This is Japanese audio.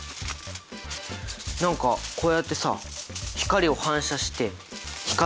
何かこうやってさ光を反射して光ってるよね！